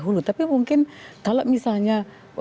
hulu tapi mungkin kalau misalnya